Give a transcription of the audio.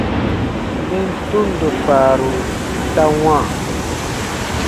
Nɛn tundo kpaaru ta wãa.